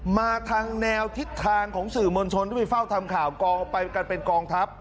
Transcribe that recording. มาทางแนวทิศทางของสื่อมวลชนที่ไปเฝ้าทำข่าวกองไปกันเป็นกองทัพ